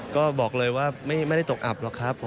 ก็บอกเลยว่าไม่ได้ตกอับหรอกครับ